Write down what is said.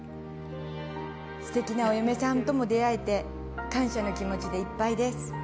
素敵なお嫁さんとも出会えて感謝の気持ちでいっぱいです。